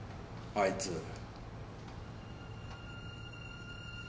あいつ。